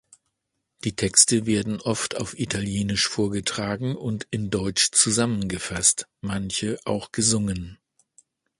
Die Texte werden oft auf italienisch vorgetragen und in Deutsch zusammengefasst, manche auch gesungen.